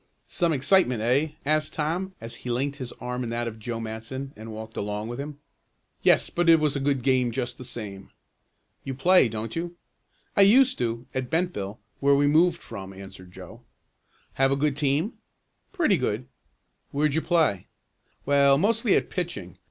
"Some excitement; eh?" asked Tom, as he linked his arm in that of Joe Matson and walked along with him. "Yes, but it was a good game just the same." "You play, don't you?" "I used to, at Bentville, where we moved from," answered Joe. "Have a good team?" "Pretty good." "Where'd you play?" "Well, mostly at pitching.